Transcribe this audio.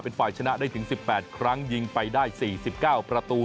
เป็นฝ่ายชนะได้ถึง๑๘ครั้งยิงไปได้๔๙ประตู